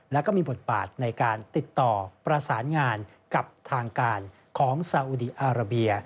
และก็มีบทบาทในการติดต่อประสานงานกับทางการของสาอุดีอาราเบีย